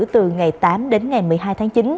từ ngày tám đến ngày một mươi hai tháng chín